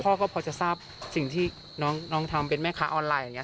พ่อก็พอจะทราบสิ่งที่น้องทำเป็นแม่ค้าออนไลน์อย่างนี้